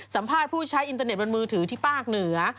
สัมภาษณ์ผู้ใช้อินเทอร์เน็ตบนมือถือที่ปากเหนือ